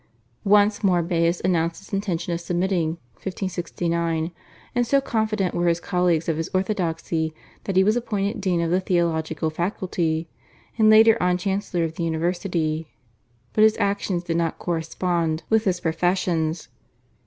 Once more Baius announced his intention of submitting (1569), and so confident were his colleagues of his orthodoxy that he was appointed dean of the theological faculty, and later on chancellor of the university. But his actions did not correspond with his professions.